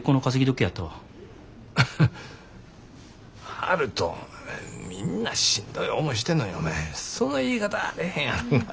悠人みんなしんどい思いしてんのにお前その言い方はあれへんやろが。